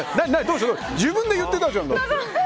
自分で言ってたじゃん。